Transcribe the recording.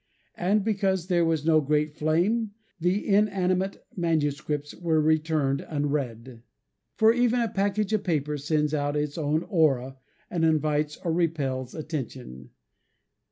And because there was no great flame, the inanimate manuscripts were returned unread. For even a package of paper sends out its "aura," and invites or repels attention.